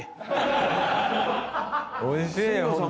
おいしいホント！